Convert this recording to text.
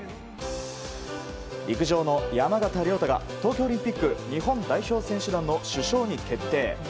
陸上の山縣亮太が東京オリンピック日本代表選手団の主将に決定。